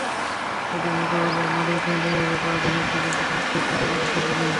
এদের মোকাবিলায় মাদক নিয়ন্ত্রণ অধিদপ্তরকে আধুনিক প্রযুক্তিতে আপডেট রাখার কোনো বিকল্প নেই।